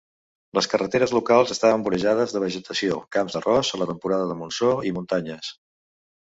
Les carreteres locals estan vorejades de vegetació, camps d"arròs a la temporada del monsó, i muntanyes.